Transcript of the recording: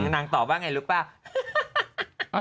นางตอบบ้างไงรึเปล่า